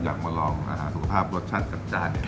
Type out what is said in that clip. อยากมาลองสุขภาพรสชาติกับจันทร์